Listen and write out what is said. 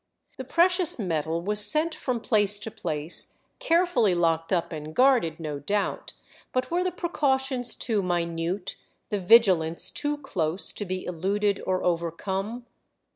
The precious metal was sent from place to place carefully locked up and guarded, no doubt; but were the precautions too minute, the vigilance too close to be eluded or overcome?